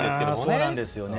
そうなんですよね。